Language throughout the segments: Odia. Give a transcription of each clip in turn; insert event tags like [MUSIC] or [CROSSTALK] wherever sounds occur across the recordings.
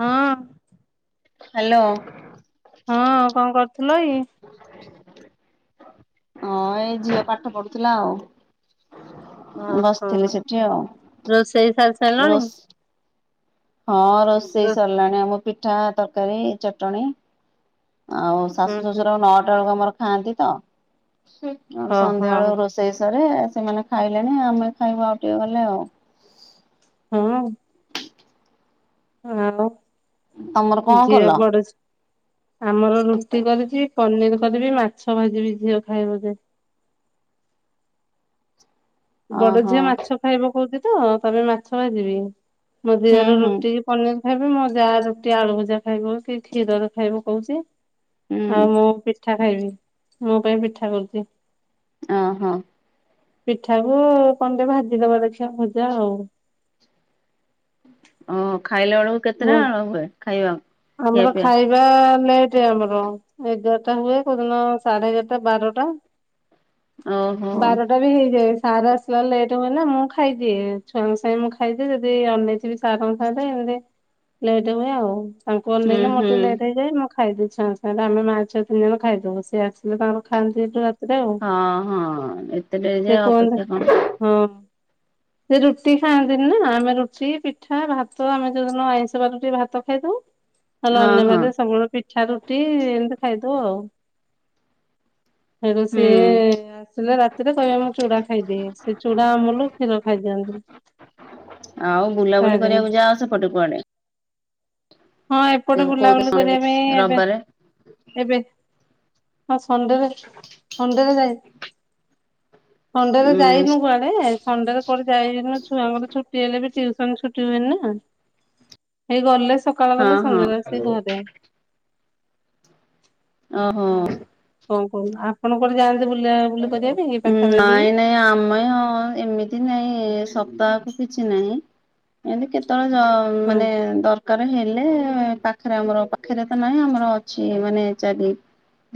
ହଁ ହାଲୋ ହଁ କଣ କରୁଥିଲ ଏଇ? ହଁ ଏଇ ଝିଅ ପାଠ ପଢୁଥିଲା ଆଉ ଓହୋ। ବସିଥିଲି ସେଠି ଆଉ, ରୋଷେଇ ସାରି ସାରିଲଣି? ରୋଷ ହଁ ରୋଷେଇ ସରିଲାଣି। ଆମ ପିଠା, ତରକାରୀ, ଚଟଣି ଆଉ ହୁଁ ଶାଶୁ ହୁଁ। ଶ୍ୱଶୁର ନଅଟା ବେଳକୁ ଆମର ଖାଆନ୍ତି ତ ଆ ଓହୋ ସନ୍ଧ୍ୟାବେଳ ରୋଷେଇ ସ ସେମାନେ ଖାଇଲେଣି, ଆମେ ଖାଇବାୁ ଆଉ ଟିକେ ଗଲେ ଆଉ ହଁ ହଁ ତମର କଣ [UNINTELLIGIBLE] ଝିଅ କଲ? ପଡୁଛି, ଆମର ରୁଟି କରିଛି, ପନିର କରିବି, ମାଛ ଭାଜିବି ଝିଅ ଖାଇବ ଯେ ବଡ ଓହୋ ଝିଅ ମାଛ ଖାଇବ କହୁଛି ତ, ତାପାଇଁ ମାଛ ଭା ଜିବି । ମୋ ହୁଁ ଦିଅର ହୁଁ ରୁଟି କି ପନିର ଖାଇଵେ। ଯାହା ରୁଟି ଆଳୁ ଭଜା ଖାଇବ, କି କ୍ଷୀରର ଖାଇବ କହୁଛି, ହୁଁ ଆଉ ମୁଁ ପିଠା ଖାଇବି, ମୋ ପାଇଁ ପିଠା କରୁଛି । ଓ ହୋ । ପିଠାକୁ କ ଟେ ଭାଜି ଦବା ଦେଖିବା, ଭୂଜା ଆଉ ଓ ଖାଇଲା ବେଳକୁ କେତେଟାେ ହୁଏ? ଖାଇବା ଖିଆ ଆମର ପିଆ ଖାଇବା ଲେଟ ଆମର, ଏଗାରଟା ହୁଏ, କୋଉଦିନ ସାଢେ ଏଗାରଟା ବାରଟା ଓହୋ ବାରଟା ବି ହେଇଯାଏ । ସାର୍ ଆସିଲାେ ଲେଟ୍ ହୁଏ ନା ମୁଁ ଖାଇଦିଏ, ଛୁଆଙ୍କ ସାଙ୍ଗ ମୁଁ ଖାଇଦିଏ, ଯଦି ଅନେଇଥିବି ସାରଙ୍କ ସାଙ୍ଗରେ ଲେଟ ହୁଏ ଆଉ ତାଙ୍କୁ ହୁଁ ଅନେଇଲେ ମୋର ହୁଁ ଟିକେ ଲେଟ୍ ହେଇଯାଏ, ମ ଖାଇଦେ ଛୁଆ ଙ୍କ ସାଙ୍ଗରେ, ଆମେ ମା ଛୁଆ ତିନି ଜଣ ଖାଇଦବୁ, ସିଏ ଆସିଲେ ତାଙ୍କର ଖାଆନ୍ତି ଏଇଠୁ ରାତିରେ ଆଉ ହଁ ହଁ ଏତେ ଟ ସେ ଯା କୁହନ୍ତି ଅପେକ୍ଷା କଣ? ହଁ। ସେ ରୁଟି ଖାଆନ୍ତିନି ନା, ଆମେ ରୁଟି, ପିଠା, ଭାତ ଆମେ ଯୋଉଦିନ ଆଇଁଷ ବାର ଟିକେ ଭାତ ଖାଇଦଉ । ତାଲେ ହଁ ହଁ ଅନ୍ୟମାନେ ସବୁବେଳେ ପିଠା ରୁଟି ଏମିତି ଖାଇଦଉ ଆଉ ଆ ତ ସେ ହୁଁ ଆସିଲେ ରାତିରେ କହିବା ମୁଁ ଚୁଡ଼ା ଖାଇଦିଏ, ସେ ଚୁଡା ଆମଲ କ୍ଷୀର ଖାଇଦିଅନ୍ତି । ଆଉ ବୁଲାବୁଲି କରିବାକୁ ଯାଅ ସେପଟେ, କୁଆଡେ? ହଁ ଏପଟେ କୋଉ ବୁଲାବୁଲି କରିବା ପାଇଁ ଏବେ, ରବିବାରେ ଏବେ ହଁ ସଣ୍ଡେରେ, ସଣ୍ଡେରେ ଯାଇ ସଣ୍ଡେରେ ଉଁ ଯାଇନୁ କୁଆଡେ, ସଣ୍ଡେ ରେ କୁଆଡେ ଯାଇନୁ, ଛୁଆଙ୍କର ଛୁଟି ହେଲେ ବି ଛୁଟି ହୁଏନି ନା, ହେଇ ଗଲେ ସକାଳ ହଁ ଗଲେ, ହଁ ସଂଧ୍ୟାରେ ଆସିକି ଘରେ ଓ ହୋ। ଆଉ କଣ କହୁନ, ଆପଣ କୁଆଡେ ଯାନ୍ତିୁ ବୁଲି କରିବା ପାଇଁ ପାଖାପାଖି ନାଇଁ ନାଇଁ ଆମେ ଏମିତି ନାଇଁ ତାକୁ କିଛି ନାହିଁ, ଏମତି କେତେବେଳେ ହଁ ମାନେ ଦରକାର ହେ ଲେ, ପାଖରେ ଆମର ପାଖରେ ତ ନହିଁ ଆମର ଅଛି ମାନେ ଚାରି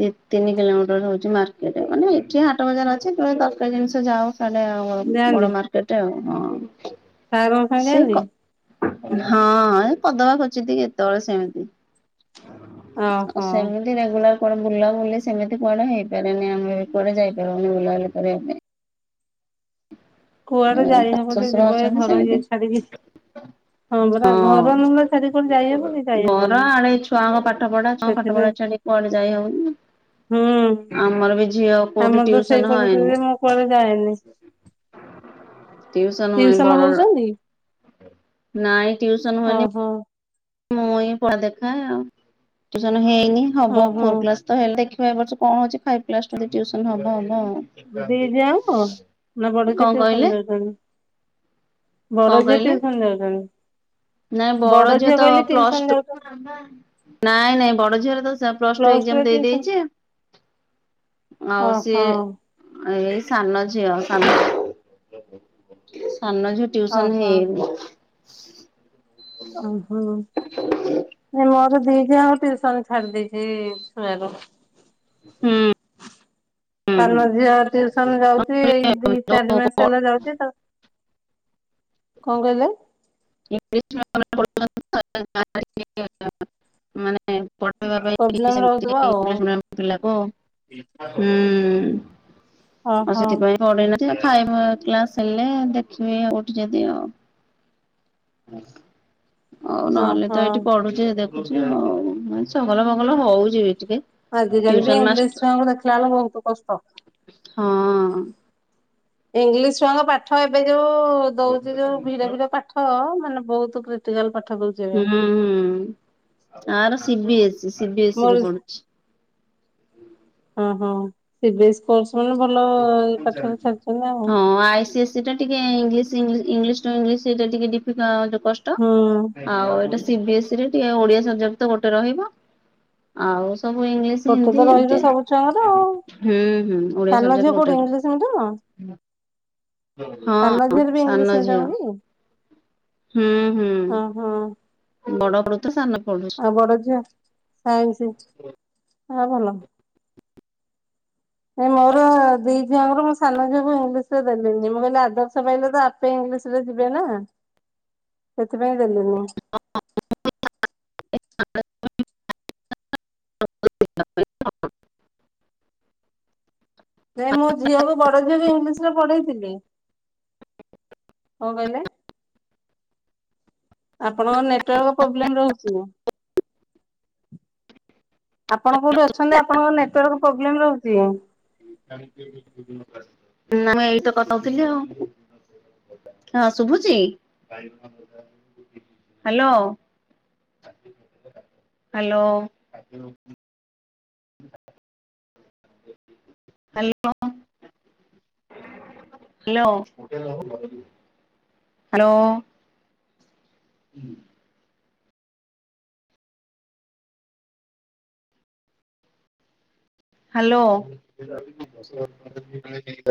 ଦି ତିନି କିଲୋମିଟର ହଉଛି, ମାର୍କେଟରେ ମାନେ ହାଟ ବଜାର ଅଛି, ତମ ତରକାରୀ ଜିନିଷ ଯଉ ଯାଆନ୍ତି ବଡ ମାର୍କେଟ ଆଉ ହଁ। ସାରଙ୍କ ସାଙ୍ଗେ ସେ କ ଯାନ୍ତି? ହଁ ପଦଭ ଖୋଜ ଟ କେତେବେଳେ ସେମିତି ଆଉ ଓହୋ ସେମିତି ରେଗୁଲାର କଣ ବୁଲାବୁଲି ସେମିତି କଆଡ ହେଇପାରେନି ଆମେ କୁଆଡେ ଯାଇପାବୁନି ବୁଲାବୁଲି କରିବା ପାଇଁ। କୁଆଡେ ଯାଇ ଶାଶୁ ହବ ଯେ ଶ୍ୱଶୁର ଯିବ ଏ ଅଛନ୍ତି ଘର ସେମିତି ଇଏ ଛାଡିକି ହଁ ପରା ଘର ନୁଲା ଛାଡି କୁଆଡେ ଯାଇହବ ହଁ କି ଘର ଯାଇହବନି ଆଡେ ଛୁଆଙ୍କ ପାଠ ପଢା ଙ୍କ ପାଠ ପଢା ସେଥିପାଇଁ ଚୁଆ ଛାଡି କୁଆଡେ ଯାଇ ହଉନି, ହୁଁ। ଆମର ବି ଝିଅ କ ଆମର ତ ସେଇ ଟିଉସନ ହନ ପରିସ୍ଥିତିରେ ମୁଁ କୁଆଡେ ଯାଏନି ଟିଉସନ ହ ବର ନାଇଁ ଟ୍ୟୁସନ ହୁଏନି ଓହୋ ମୁଁ ଏ ପଢା ଦେଖା, ଆସ ହେଇନି ହବ ଓହୋ ଫୋର କ୍ଲାସ ତ ହେଲେ ଦେଖ ର୍ଷ କଣ ହଛି ଫାଇଭ୍ସ ଟୁୁସନ ହବ। ଦି ଯାଆଙ୍କ? ନା ବଡ ଝିଅ କଣ ଟିଉସନ କହିଲେ? ଯାଉଛନ୍ତି ବଡ କଣ ଯିଏ କହିଲେ ଟ୍ୟୁସନ ଯାଉଛନ୍ତି? ନାଇଁ ବଡ ଝିଅ ତ କହିଲି ଟିଉସନ ପ୍ଲସ ଟୁ ଯାଉଛନ୍ତି ନାଇଁ, ନାଇଁ ବଡ ଝିଅରେ ତ ପ୍ଲସ ଟୁ ଏଜାମ ଦେଇଛି ଆଉ ସିଏ ଓହୋ। ଏଇ ସାନ ଝିଅ ସାନ ସାନ ଝିଅ ଟ୍ୟୁଶନ୍ ଓହୋ ହେନି। ଓହୋ [INAUDIBLE] ମୋର ଦି ଯ ଆଉ ଟିଉସନ ଛାଡି ଦେଇଛି ଶୁଣାରୁ ହୁଁ। ତାମ ଝିଅ ଟୁସନ ଯାଉଛି, ଏଇ ଦି ଚାରି ମାସ ହେଲା ଯାଉଛି ତ କଣ କହିଲ? [UNINTELLIGIBLE] ମାନେ ପଢ଼ ପାଇଁ [UNINTELLIGIBLE] ପ୍ରୋବ୍ଲେମ ସେ ମି ରହୁଥିବ ଆଉ ପିଲା। ଓ ହୁଁ ଆଉ ଓହୋ ସେଥିପାଇଁ ସେ ଖାଇବ କ୍ଲାସ ହେଲେ ଦେଖିବି ଆ ଉଠି ଯଦି ଆଉ ଆଉ ନହେଲେ ଓହୋ ତ ଏଇଠି ପଢୁଛି ଦେ ଆଉ ଜଙ୍ଗଲ ବଙ୍ଗଲ ହଉଛି। ଟିକେ। ଆଜି ଯଦି ଟିଉସନ ମାଷ୍ଟ ବିଶଆଙ୍କୁ ଦେଖିଲା ବେଳ ବହୁତ କଷ୍ଟ। ହଁ। ଇଂଲିଶ ଛୁଆ ଙ୍କ ପାଠ ଏବେ ଯୋଉ ଦଉଛି, ଯୋଉ ଭିଡ ଭିଡ ପାଠ ମାନେ ବହୁତ କ୍ରଟିକାଲ। ହୁଁ ହୁଁ, ଆର ସିିବିସି ସିିବି ଏସିିରେ ମୋର ପଡୁଛି। ହୁଁ। ଓହୋ ସ ବି ଏସ୍ ମାନେ ଭଲ ପାଠରେ ଛାଡିଛନ୍ତି ଆଉ। ସେଟା ଟିକେ ଇଂଲିଶ ଇଂଲିଶ ଇଂଲିଶ ସହିତ ଟିକେ ଡ଼ିଫିକଲ୍ଟ କଷ୍ଟ ହୁଁ ଆଉ ଏଇଟା ସିବି ଏସ୍ ଇ ରେ ଟ ଓଡ଼ିଆ ସବଜେକ୍ଟ ତ ଗୋଟେ ରହିବ ଆଉ ସବୁ ଇଂଲିଶ ଗୋଟେ ହିନ୍ଦୀ ତ ରହିବ ଏମିତି ସବୁ ଛୁଆଙ୍କର ହ୍ନୁ ହ୍ନୁ ଓଡ଼ିଆ ସବଜେକ୍ଟ କୋଉଁଠି ଗୋଟେରେ ଓଡ଼ିଆ ସବୁଯାକ? ହଁ ସାନ ଝିଅ। ମିଡିୟମ କି ହୁଁ ହୁଁ ହଁ ହଁ ବଡ଼ ବଡ଼ ତ ସାନ ପଢୁଛି। ଆଉ ବଡ଼ ଝି ସାଇନ୍ସ ହଁ ଭଲ। ନ ମୋର ଦି ଝିଅଙ୍କର ମୋ ସାନ ଝିଅକୁ ଇଂଲିଶ ରେ ଦେଲିନି ମୁଁ କହିଲି ଆଦର୍ଶ ପାଇଲେ ତ ଆପେ ଇଂଲିଶ ରେ ଯିବେ ନା ସେଥିପାଇଁ ଦେଲିନି। [UNINTELLIGIBLE] ସେ ମୋ ଝିଅକୁ ବ ଇଂଲିଶ ରେ ପଢ଼େଇ ଥିଲି। କଣ କହିଲେ? ଆପଣଙ୍କ ନେଟୱାର୍କ ପ୍ରୋବ୍ଲେମ ରହୁଛି। ଆପଣ କୋଉଁଠି ଅଛନ୍ତି? ଆପଣଙ୍କ ନେଟାର୍କ ପ୍ରୋବ୍ଲେମ ରହୁଛି। ଆମେ ଏଇ ତ କଥା ହଉଥିଲି ଆଉ ହଁ ଶୁଭୁଛି? Hello. Hello. Hello. Hello hello. ହୁଁ। ହ୍ୟାଲୋ।